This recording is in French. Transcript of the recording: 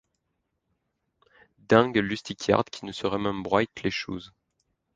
D’ung Iusticiard qui ne se remembroyt les chouses.